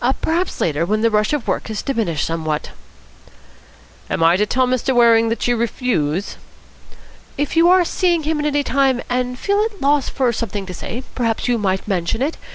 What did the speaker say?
Perhaps later, when the rush of work has diminished somewhat." "Am I to tell Mr. Waring that you refuse?" "If you are seeing him at any time and feel at a loss for something to say, perhaps you might mention it.